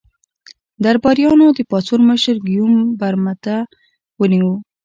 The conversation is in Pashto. درباریانو د پاڅون مشر ګیوم برمته ونیو.